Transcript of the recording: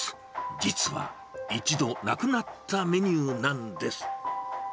実は一度なくなったメニューなんです。